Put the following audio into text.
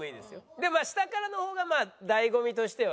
でも下からの方がまあ醍醐味としては。